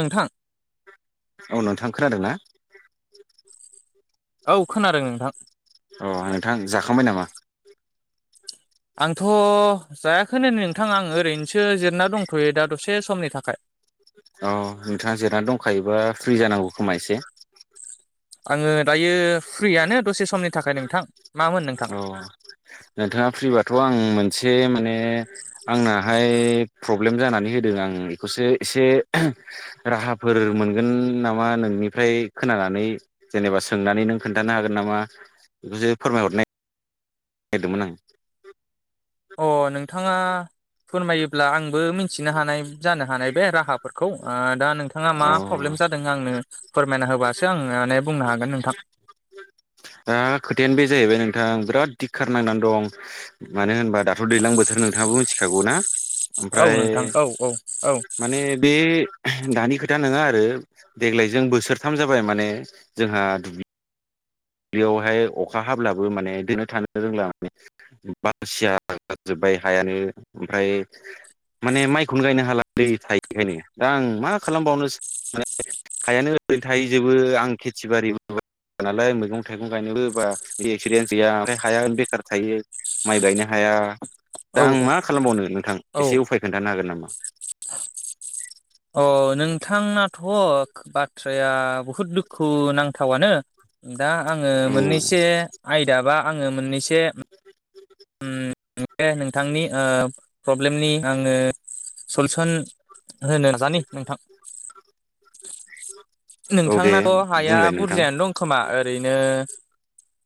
नोंथां औ नोंथां खोनादों ना? औ खोनादों नोंथां। अ नोंथां जाखांबाय नामा? आंथ' जायाखैै नै नोंथां आं ओरैनोसो जिरना दंथ'यो दा दसे समनि थाखाय। औ नोंथाङा जिरनानै दंखायोबा फ्रि जानांगौ खोमा एसे। आङो दायो फ्रियानो दसे समनि थाखाय नोंथां। मामोन नोंथां औ नोंथाङा फ्रिबाथ' आं मोनसे माने आंनाहाय प्रब्लेम जानानै होदों आं बेखौसो एसे रा राहाफोर मोनगोन नामा नोंनिफ्राय खोनानानै जेनेबा सोंनानै नों खोन्थानो हागोन नामा बेखौसो फोरमायहरनाय हदोंमोन आं। अ नोंथाङा फोरमायोब्ला आंबो मिथिनो हानाय जानो हानाय बे राहाफोरखौ ओ दा नोंथाङा मा अ प्रब्लेम जादों आंनो फोरमायना होबासो आं माने बुंनो हागोन नोंथां। ओ खोथायानो बे जाहैबाय नोंथां बिराद दिक्खार नांनानै दं मानो होनबा दाथ' दैलां बोथोर नोंथाङाबो मिथिखागौ ना औ ओमफ्राय नोंथां औ औ माने बे दानि खोथा नोङा आरो देग्लायजों बोसोरथाम जाबाय माने जोंहा दुब्लि दुब्लियावहाय अखा हाब्लाबो माने देनो थानो रोंला माने बासिया जाजोब बाय हायानो ओमफ्राय माने माइखौनो गायनो हालालै दै थायिखायनो दा आं मा खालामबावनोसो माने हायानो ओरैनो थाहैजोबो आं खेथि बारिबो नालाय मैगं मैगं थाइगं गायनोबो बा एक्सपिरियेन्स गैया ओमफ्राय हाया ओरैनो बेकार थायो माइ गायनो हाया। दा औ आं मा खालामबावनो नोंथां औ एसे उफाय खोन्थानो हागोन नामा? अ' नोंथांनाथ' ख बाथ्राया बुहुद दुखु नांथावानो दा आङो औ मोननैसो आयदा बा आङो मोननैसो [inaudible] उम बे नोंथांनि ओ प्रब्लेमनि आङो सलुसन। होनो नाजानि नोंथां। औ दे नोंथांनाथ' हाया बुंलाय नोंथां बुरजायानो दं खोमा ओ ओरैनो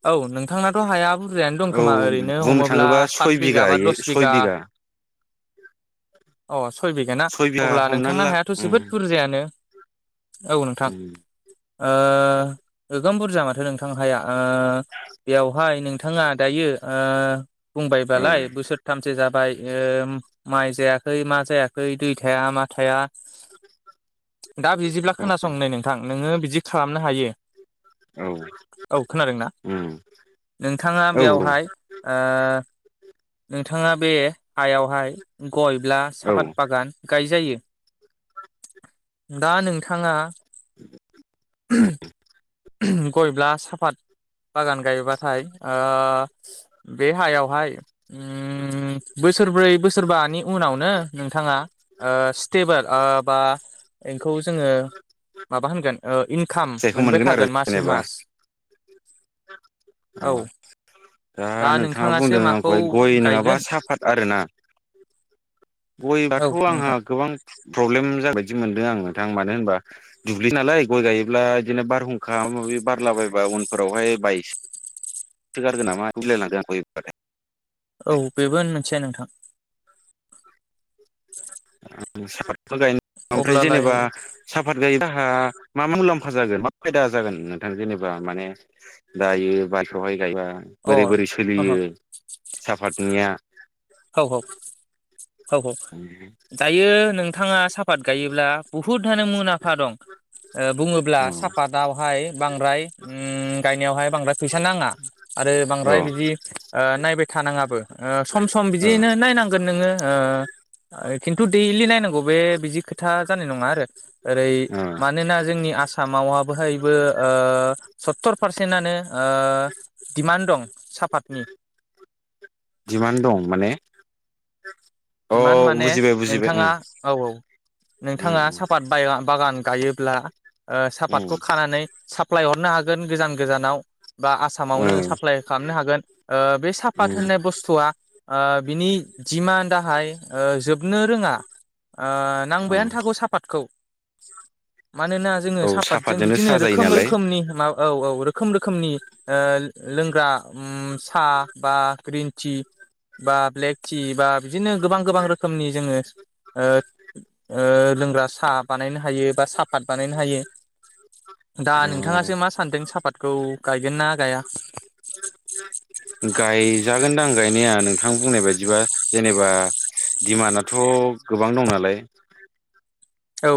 औ नोंथांनाथ' हाया बुरजायानो दं औ खोमा ओरैन [unintelligible] बुंनो हमोब्ला थाङोबा सात सय बिघा बा बिघायै दस सय बिघा। अ' सय बिघा ना सय बिघा अब्ला हमनानै नोंथांना ला हायाथ' उम जोबोद बुरजायानो। औ नोंथां उम ओ गोगोम बुरजा माथो नोंथां हाया। ओ बेवहाय नोंथाङा दायो ओ औ बुंबायबालाय बोसोरथामसो जाबाय। ओ माइ जायाखै मा जायाखै दै थाया मा थाया। दा बिदिब्ला औ खोनासं नै नोंथां नोङो बिदि खालामनो हायो। औ औ खोनादोंना उम नोंथाङा औ बेवहाय। ओ नोंथाङा बे हायावहाय गयब्ला औ साफात उम बागान गायजायो। दा नोंथाङा। उम। गयब्ला साफात। बागान गायबाथाय ओ बे हायावहाय उम बो बोसोर ब्रै बोसोरबानि उनावनो नोंथाङा ओ स्टेबोल ओ बा एंखौ जोङो माबा होनगोन ओ इनकाम फिथाइखौ मोनबाय मोनगोन आरो थागोन मासै जेनेबा मास। औ। दा नोंथाङा नोंथाङासो बुंदों माखौ आंखौहाय गय नोङाबा गायगोन साफत आरोना। औ गयबाथ' आंहा नोंथां गोबां प्रब्लेम जागोनबायदि मोन्दों आङो। नथां मानो होनबा दुब्लिसो नालाय गय गायोब्ला इदिनो बारहुंखा माबा माबि बारलाबाय बा उनफोरावहाय बायससो गारगोन नामा [inaudible] औ बेबो मोनसे नोंथां। साफातखौ गायनो ओमफ्राय अब्लालाय जेनेबा साफात गायोबा। हा मा मुलाम्फा जागोन मा फायदा जागोन नोंथां जेनेबा माने दायो बाथ'हाय गायबा। अ बोरै बोरै ह ह सोलियो साफातनिया। हौ हौ हौ हौ दायो नों थाङा साफात गायोब्ला बुहुद आनो मुनाफा दं ओ बुङोब्ला औ सापातावहाय बांद्राय उम गायनायावहाय बांद्राय फैसा नाङा आरो बांद्राय औ बिदि ओ नायबाय थानाङाबो ओ सम सम ओ बिदियैनो नायनांगोन नोङो ओ ओय खिन्थु दैलि नायनांगौ बे बिदि खोथा जानाय नङा आरो ओरै ओ मानोना जोंनि आसामावहा बोहायबो ओ सत्तर पारसेन्टआनो ओ दिमान्ड दं साफातनि। डिमान दं माने अ दिमान माने बुजिबाय बुजिबाय नोंथाङा औ औ। उम उम नोंथाङा सापात बाय बागान ओ गायोब्ला उम सापातखौ खानानै सा सप्लाय हरनो हागोन गोजान गोजानाव। बा आसामावनो उम साप्लाइ खालामनो हागोन। बे साफात उम होननाय बुस्थुआ बिनि जिमान जोबनो रोङा ओ उम औ नांबायानो थागौ सापातखौ। मानोना जोङो औ सापातजों साफातजोंनो बिदिनो साहा जायो रोखोम नालाय रोखोमनि माबा औ औ। रोख रोखोमनि ओ लोंग्रा ओम साबा टि बा ब्लेक टि बा बिदिनो गोबां गोबां रोखोमनि जोङो लोंग्रा साहा बानायनो हायो बा साहाफात बानायनो हायो। दा अ नोंथाङासो मा सानदों सापातखौ गायगोन ना गाया [inaudible] गायजागोनदांं गायनाया नोंथां बुंनाय बायदिबा जेनेबा दिडिमान्डआथ दं गोबां दं नालाय? औ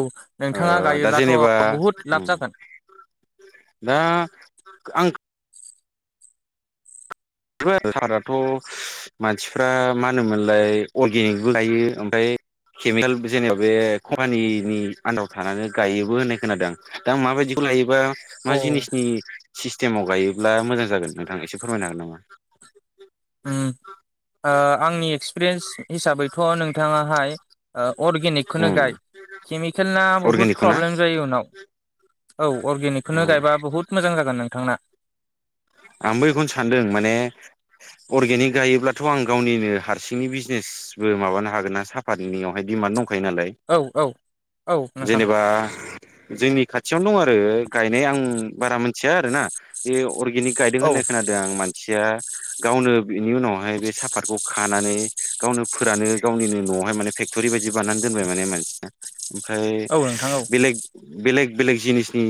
ओ नोंथाङा दा गायोब्लाथ' जेनेबा बहुद लाब उम जागोन दा आं [unintelligible] सापाथ मानसिफ्रा मा होनोमोनलाय अर्गेनिकबो गायो ओमफ्राय केमिकेल जेनेबा बे कम्पानिनि आन्दाव थानानै गायोबो होननाय खोनादों दा माबायदि? लायोबा मा अ जिनिसनि सिस्टेमाव गायोब्ला मोजां जागोन नोंथां एसे फोरमायनो हागोन नामा? उम ओ आंनि एक्सपिरियेन्स हिसाबैथ नोंथाङाहाय ओ अर्गेनिकखौनो उम गाय केमिकेल ना बुहुद अर्गेनिकखौ ना प्रब्लेम जायो उनाव। औ अर्गेनिकखौनो गायबा बुहुद मोजां जागोन नोंथांना? आंबो बेखौनो सानदों माने अर्गेनिक गायोब्लाथ आं गावनिनो हारसिंनि बिजनेसबो माबानो हागोन ना साफातनियावहाय दिडिमान्ड दं। औ औ। औ नोंथां जेनेबा जोंनि खाथियावनो दं आरो गायनाय आं बारा मोन थिया आरोना बे अर्गेनिक गायदों औ होननाय खोनादों आं मानसिया गावनो बेनि उनावहाय बे साफातखौ खानानै गावनो फोरानो गावनिनो नआवहाय माने फे फेक्टरि बायदि बानानै दोनबाय माने मानसिया ओमफ्राय औ नोंथां औ बेलेग बेलेग बेलेग जिनिसनि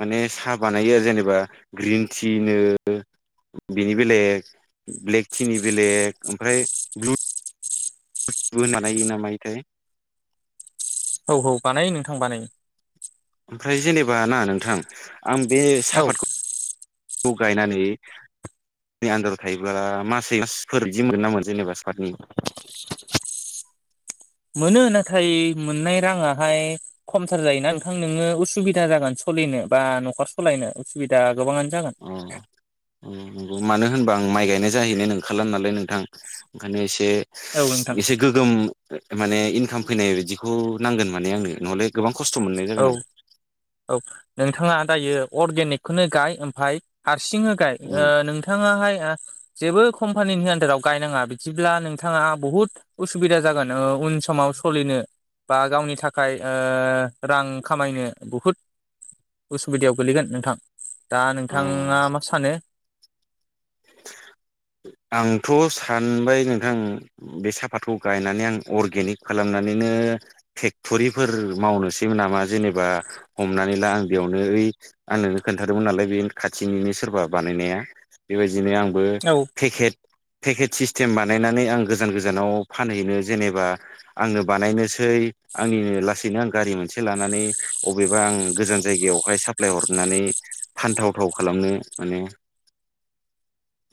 माने साहा बानायो आरो जेनेबा ग्रिन टिनो बिनि बेलेग ब्लेक टिनि बेलेग ओमफ्राय ब्लु बो ना [unintelligible] मायोथाय? औ औ बानायो नोंथां बानायो। ओमफ्राय जेनेबा ना नोंथां आं बे औ साहापातखौ खौ गायनानै नि आनन्दाराव थायोब्ला मासै मासफोर जि मोनगोन नामोना जेनेबा सापातनि मोनो नाथाय मोननाय राङाहाय खमथार जायोना नोंथां नोङो उसुबिदा जागोन सलिनो बा नखर सलायनो उसुबिदा गोबाङानो जागोन अ उम नंगौ मानो होन बा आं माइ गायनाय जाहैनो नंखाला नालाय नोंथां ओंखायनो एसे औ नोंथां एसे गोगोम माने इनकाम फैनाय बिदिखौ नांगोन माने आंनो नहले गोबां खस्थ मोननाय औ जागोन आं। औ नोंथाङा दायो अर्गेनिकखौनो गाय ओमफ्राय हार सिं गाय ओ उम नोंथाङाहाय जेबो कम्पानिनि आन्दाराव गायनाङा बिदिब्ला नोंथाङा बहुत उसुबिदा जागोन औ उन समाव सोलिनो बा गावनि थाखाय ओ रां खामायनो बहुद उसुबिदायाव गोलैगोन नोंथां दा अ नोंथाङा मा सानो? [unintelligible] आंथ सानबाय नोंथां बे सापातखौ गायनानै आं अर्गेनिक खालामनानैनो फेक्टरिफोर मावनोसै नामा जेनेबा हमनानै ला आं बेयावनो ओइ आंननो खोन्थादोंमोन नालाय बे खाथिनिनो सोरबा बानायनाया बेबायदिनो आंबो औ पेकेट पेकेट सिस्टेम बानायनानै आं गोजान गोजानाव फानहैनो जेनेबा आंनो बानायनोसै आंनिनो लासैनो आं गारि मोनसे लानानै अबेबा आं गोजान जायगायावहाय साप्लाय हरनानै फानथावथाव खालामनो माने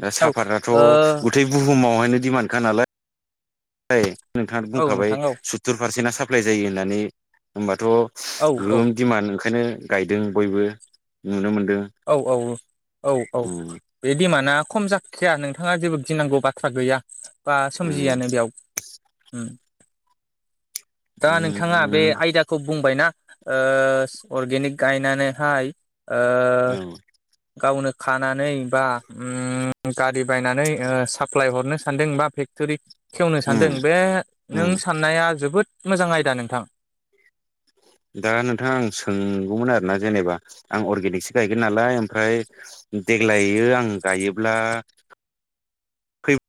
दा औ साफाताथ ओ गुथै बुहुमावहायनो दिडिमान्डखा नालाय नोंथाङा औ बुंखाबाय नोंथां औ सुत्तुर पारसेन्टा साप्लााय जायो होननानै होमबा थ औ गोगोम दिमान्ड ओंखायनो गायदों बयबो नुनो मोन औ औ औ औ बे दिमाना खम जाखाया नोंथाङा जेबो गिनांगौ बाथ्रा गैया बा उम सोमजियानो बेयाव उम। दा नोंथाङा बे उम आयदाखौ बुंबायना ओ अर्गेनिक गायनानैहाय ओ औ गावनो खानानै बा उम गारि बायनानै ओ साफ्लाय हरनो सानदों बा फेक्टरि खेवनो सानदों उम बे नों उम साननाया जोबोद मोजां आयदा नोंथां। दा नोंथां आं सोंगौमोन आरोना जेनेबा आं अर्गेनिकसो गायगोन नालाय ओमफ्राय देग्लायो आं गायोब्ला फै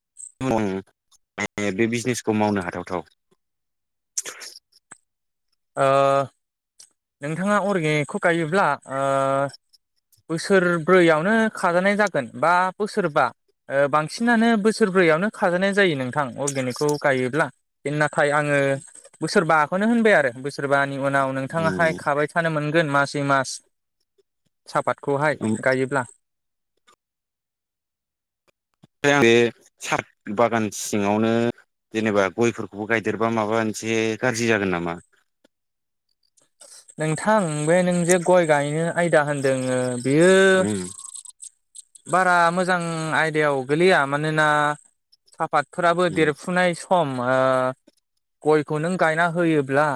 [inaudible] बे बिजनेसखौ मावनो हाथावथाव। ओ नोंथाङा अर्गेनिकखौ गायोब्ला ओ बोसोरब्रैयावनो खाजानाय जागोन बा बोसोरबा। ओ बांसिनानो बोसोरब्रैयावनो खाजानाय जायो नोंथां अर्गेनिकखौ गायोब्ला नाथाय आङो ओ बोसोरबाखौनो होनबाय आरो बोसोरबानि उनाव नोंथाङाहाय उम खाबाय थानो मोनगोन मासै मास साफात खौहाय गायोब्ला। बे साफात बागान सिङावनो जेनेबा गयफोरखौबो गायदेरबा माबा मोनसे गाज्रि जागोन नामा? नोंथां बे नों जे गय गायनो आयदा होनदोंओ बेयो उम बारा मोजां आयदायाव गोलैया मानोना फातफोराबो उम देरफुनाय सम ओ गयखौ नों गायना होयोब्ला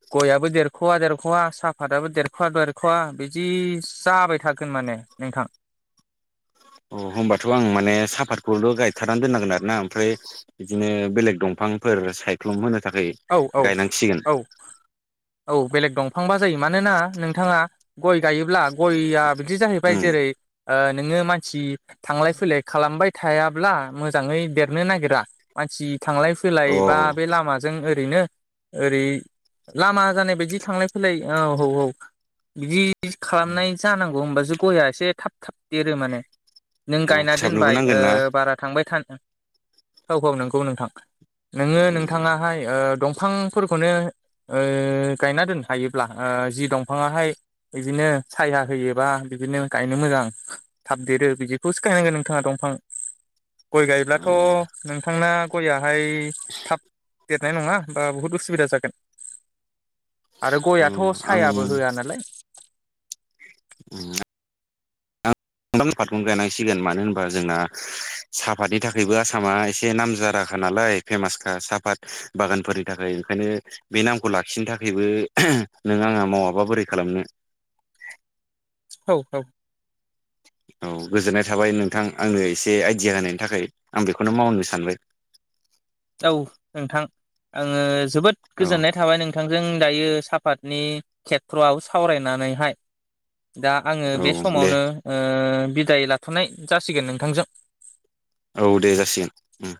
ओ गयाबो देरख'वा देरख'वा साफाताबो देरख'वा देरख'वा बिदि जाबाय थागोन माने। नोंथां। अ होमबाथ आं माने साफातखौल गायथारनानै दोननांगोन आरो ना ओमफ्राय बिदिनो बेलेग दं फांफोर सायख्लुम होनो थाखाय औ औ गायनांसिगोन। औ औ बेलेग दंफांबा जायो मानोना नोंथाङा गय गायोब्ला गयआ बिदि जाहैबाय उम जेरै ओ नोङो मानसि थांलाय फैलाय खालामबाय थायाब्ला मोजाङै देरनो नागिरा मानसि थांलाय फैलाय अ बा बे लामाजों ओरैनो ओरै लामा जानाय बायदि थांलाय फैलाय औ औ औ बिदि दि अ खालामनाय जानांगौ होमबासो गया एसे थाब थाब देरो माने। नों गायना फोसाबनोबो दोनबाय नांगोन ना ओ बारा थांबाय थानो औ औ नंगौ नोंथां। नोङो उम नोंथाङाहाय ओ दंफांफोरखौनो ओ गायना दोननो हायोब्ला ओ जि दंफाङाहाय बिदिनो साया होयोबा बिदिनो गायनो मोजां थाब देरो बिदिखौसो गायनांगोन नोंथाङा दंफां [inaudible] गय अ गायब्लाथ' नोंथांना गयआहाय थाब देरनाय नङा बा बहुद उसुबिदा जागोन। आरो औ गयआथ' सायाबो आं होआ नालाय। [unintelligible] फादखौनो गायनांसिगोन मानो होनबा जोंना साफादनि थाखायबो आसामा एसे नाम जादा खा नालाय फेमासखा साफाद बागानफोरनि थाखाय ओंखायनो बे नामखौ लाखिनो थाखायबो नों आङा मावाबा बोरै खालामनो। औ औ। औ गोजोननाय थाबाय नोंथां आंनो एसे आइडिया होनायनि थाखाय आं बेखौनो मावनो सानबाय। [inaudible] औ नोंथां आङो जोबोद औ गोजोननाय थाबाय नोंथांजों दायो साफादनि खेथ्रआव सावरायनानैहाय। दा आङो औ बे दे समावनो ओ बिदाय लाथ'नाय जासिगोन नोंथांजों औ दे जासिगोन उम